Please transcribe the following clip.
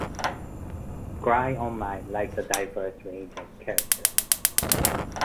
Gry Online liked the diverse range of characters.